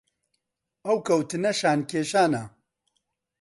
ئەو کەوتنە شان کێشانە